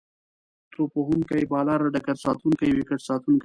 توپ وهونکی، بالر، ډګرساتونکی، ويکټ ساتونکی